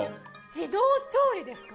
自動調理ですか？